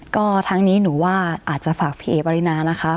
ก็ทั้งนี้หนูว่าอาจจะฝากพี่เอ๋ปรินานะคะ